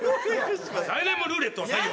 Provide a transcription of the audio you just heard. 来年もルーレットを採用。